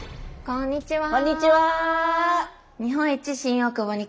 こんにちは。